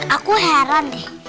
aku heran deh